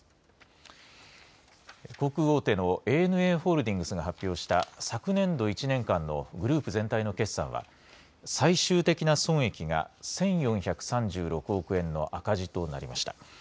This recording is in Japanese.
航空大手のＡＮＡホールディングスが発表した昨年度１年間のグループ全体の決算は、最終的な損益が１４３６億円の赤字となりました。